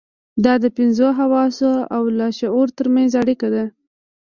دا د پنځو حواسو او لاشعور ترمنځ اړيکه ده.